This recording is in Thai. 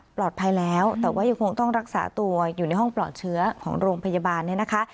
ปลอดภัยแล้วแต่ว่ายังคงต้องรักษาตัวอยู่ในห้องปลอดเชื้อของโรงพยาบาลเนี่ยนะคะ